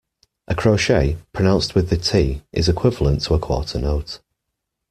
A crotchet, pronounced with the t, is equivalent to a quarter note